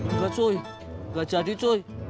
enggak cuy enggak jadi cuy